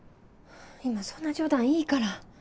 今そんな冗談いいから。